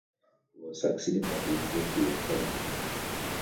He was succeeded by his nephew, Henry.